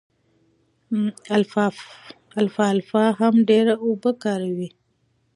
الفالفا هم ډېره اوبه کاروي.